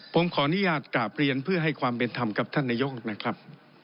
ผมขออนุญาตกราบเรียนเพื่อให้ความเป็นธรรมกับท่านนายกนะครับ